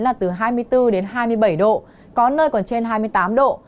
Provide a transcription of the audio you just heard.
mưa phổ biến là từ hai mươi bốn đến hai mươi bảy độ có nơi còn trên hai mươi tám độ